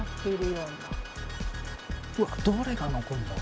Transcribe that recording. うわっどれが残るんだろ。